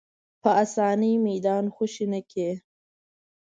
په اسانۍ میدان خوشې نه کړي